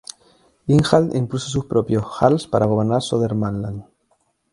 Ingjald impuso sus propios jarls para gobernar Södermanland.